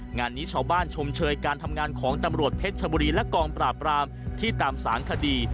งานนี้ชาวบ้านชมเชยการทำงานของตำรวจเพชรชบุรีและกองปราบรามที่ตามสารคดี